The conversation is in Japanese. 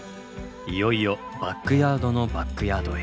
いよいよバックヤードのバックヤードへ。